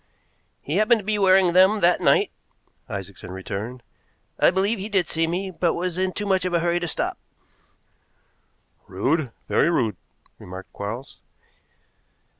"He happened to be wearing them that night," Isaacson returned. "I believe he did see me, but was in too much of a hurry to stop." "Rude, very rude," remarked Quarles.